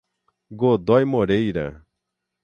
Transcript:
Godoy Moreira